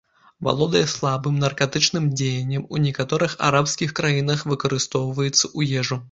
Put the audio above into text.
Валодае слабым наркатычным дзеяннем, у некаторых арабскіх краінах выкарыстоўваюцца ў ежу.